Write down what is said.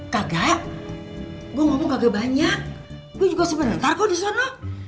kagak gua ngomong kagak banyak gua juga sebenernya ntar kok disana